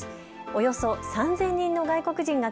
およそ３０００人の外国人が